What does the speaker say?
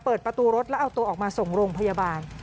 เปิดประตูรถแล้วเอาตัวออกมาส่งโรงพยาบาล